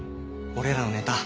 俺らのネタ